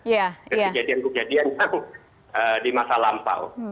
jadi kejadian kejadian yang di masa lampau